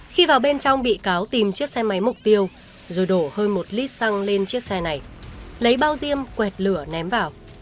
khi vào bên trong bị cáo tìm chiếc xe máy mục tiêu rồi đổ hơn một lít xăng lên chiếc xe này lấy bao diêm quẹt lửa ném vào